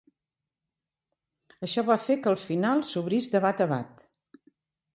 Això va fer que el final s'obrís de bat a bat.